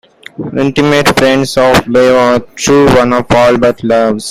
Intimate friends of Beethoven, true, one and all; but loves?